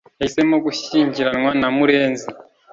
Yahisemo gushyingiranwa na murenzi